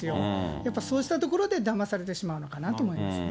やっぱそうしたところでだまされてしまうのかなと思いますね。